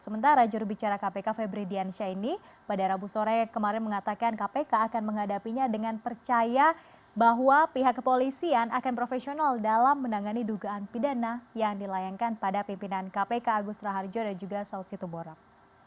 sementara jurubicara kpk febri diansyah ini pada rabu sore kemarin mengatakan kpk akan menghadapinya dengan percaya bahwa pihak kepolisian akan profesional dalam menangani dugaan pidana yang dilayangkan pada pimpinan kpk agus raharjo dan juga saud situborong